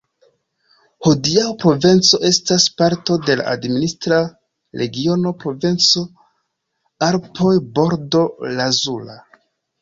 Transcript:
Hodiaŭ Provenco estas parto de la administra regiono Provenco-Alpoj-Bordo Lazura.